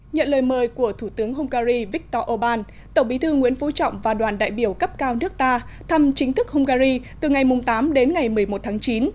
nhận lời mời của thủ tướng hungary viktor orbán tổng bí thư nguyễn phú trọng và đoàn đại biểu cấp cao nước ta thăm chính thức hungary từ ngày tám đến ngày một mươi một tháng chín